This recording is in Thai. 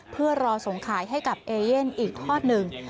เพื่อรอส่งขายให้กับเอเย่นอีกทอดหนึ่ง